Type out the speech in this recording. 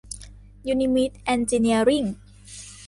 ยูนิมิต เอนจิเนียริ่ง